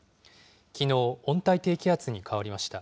きのう、温帯低気圧に変わりました。